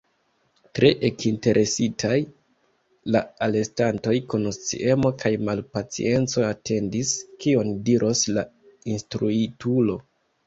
Tre ekinteresitaj, la alestantoj kun sciemo kaj malpacienco atendis, kion diros la instruitulo.